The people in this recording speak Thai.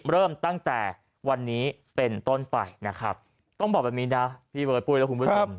เริ่มตั้งแต่วันนี้เป็นต้นไปนะครับต้องบอกแบบนี้นะพี่เบิร์ดปุ้ยและคุณผู้ชม